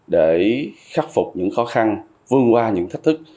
để khắc phục những khó khăn vươn qua những thách thức